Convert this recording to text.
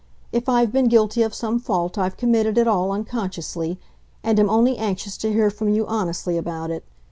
If I've been guilty of some fault I've committed it all unconsciously, and am only anxious to hear from you honestly about it.